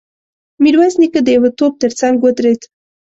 ميرويس نيکه د يوه توپ تر څنګ ودرېد.